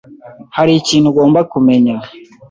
hari ikintu ugomba kumenya.